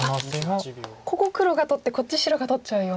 ここ黒が取ってこっち白が取っちゃうような。